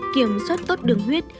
một kiểm soát tốt đường huyết